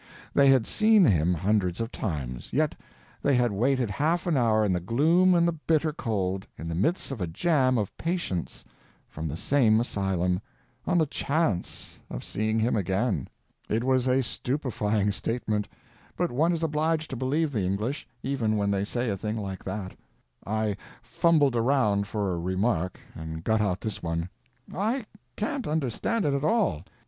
They had seen him hundreds of times, yet they had waited half an hour in the gloom and the bitter cold, in the midst of a jam of patients from the same asylum, on the chance of seeing him again. It was a stupefying statement, but one is obliged to believe the English, even when they say a thing like that. I fumbled around for a remark, and got out this one: "I can't understand it at all.